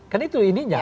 kan itu ininya